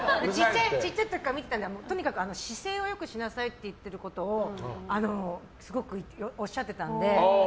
ちっちゃい時から見てたけどとにかく姿勢を良くしなさいってすごくおっしゃってたので。